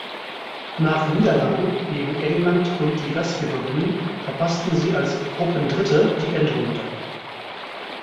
Nach Niederlagen gegen England und die Gastgeberinnen verpassten sie als Gruppendritte die Endrunde.